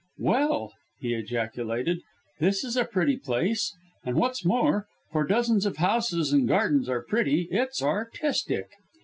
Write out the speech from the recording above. "Well," he ejaculated, "this is a pretty place, and what's more for dozens of houses and gardens are pretty it's artistic!"